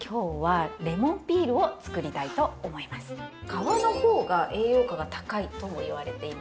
皮の方が栄養価が高いともいわれていますから。